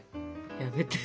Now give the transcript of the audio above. やめて。